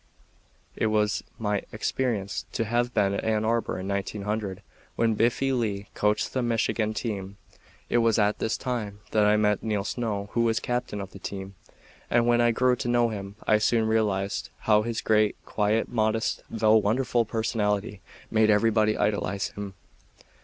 It was my experience to have been at Ann Arbor in 1900, when Biffy Lee coached the Michigan team. It was at this time that I met Neil Snow, who was captain of the team, and when I grew to know him, I soon realized how his great, quiet, modest, though wonderful personality, made everybody idolize him.